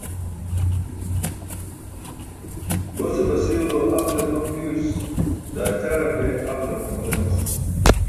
Gose basiw lo aqale tom diws, daa ćaġate aqale pʰamol emas.